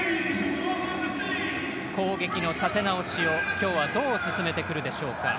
攻撃の立て直しを今日はどう進めてくるでしょうか。